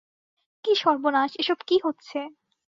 কী সর্বনাশ, এ-সব কী হচ্ছে!